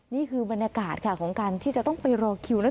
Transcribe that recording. นี่คือบรรยากาศค่ะของการที่จะต้องไปรอคิวแล้ว